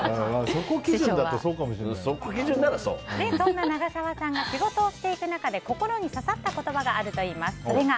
そんな長澤さんが仕事をしていた中で心に刺さった言葉があるそうです。